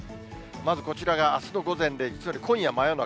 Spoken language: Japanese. まずこちらがあすの午前０時、つまり今夜真夜中。